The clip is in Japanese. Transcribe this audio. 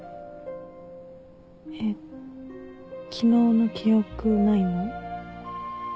えっ昨日の記憶ないの？